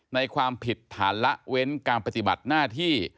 ความผิดฐานละเว้นการปฏิบัติหน้าที่